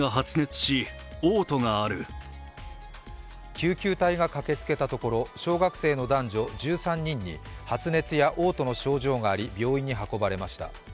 救急隊が駆けつけたところ小学生の男女１３人に発熱やおう吐の症状があり病院に運ばれました。